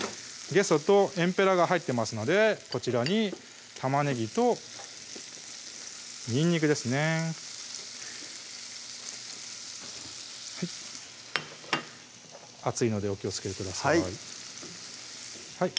げそとえんぺらが入ってますのでこちらに玉ねぎとにんにくですね熱いのでお気をつけください